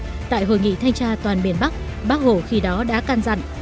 từ năm một nghìn chín trăm năm mươi bảy tại hội nghị thanh tra toàn biển bắc bác hổ khi đó đã can dặn